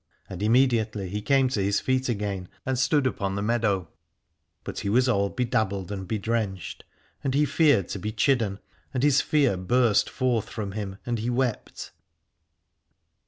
And immediately he came to his feet again and stood upon the meadow : but he was all bedabbled and bedrenched, and he feared to be chidden, and his fear burst forth from him and he wept.